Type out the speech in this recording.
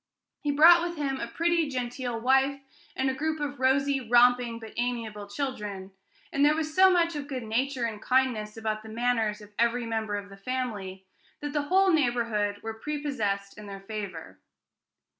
He brought with him a pretty, genteel wife, and a group of rosy, romping, but amiable children; and there was so much of good nature and kindness about the manners of every member of the family, that the whole neighborhood were prepossessed in their favor.